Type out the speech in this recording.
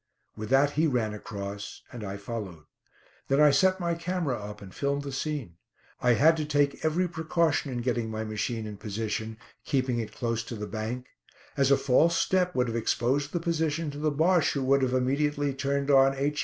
With that he ran across, and I followed. Then I set my camera up and filmed the scene. I had to take every precaution in getting my machine in position, keeping it close to the bank, as a false step would have exposed the position to the Bosche, who would have immediately turned on H.